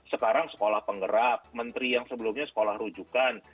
sekarang sekolah penggerak menteri yang sebelumnya sekolah rujukan